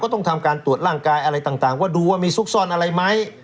ต้องทำการตรวจร่างกายอะไรต่างว่าดูว่ามีซุกซ่อนอะไรไหม